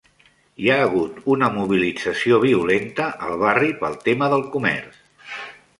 Hi ha hagut una mobilització violenta al barri pel tema del comerç.